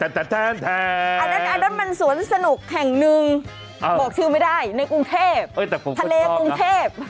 อันนั้นมันสวนสนุกแห่งหนึ่งบอกชื่อไม่ได้ในกรุงเทพทะเลกรุงเทพ